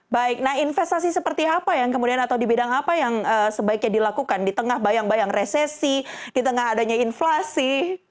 baik nah investasi seperti apa yang kemudian atau di bidang apa yang sebaiknya dilakukan di tengah bayang bayang resesi di tengah adanya inflasi